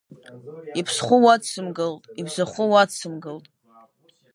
Иԥсхәы уадсымгалт, ибзахәы уадсымгалт.